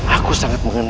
aku akan menangkapmu